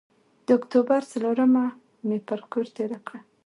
د اکتوبر څورلسمه مې پر کور تېره کړه.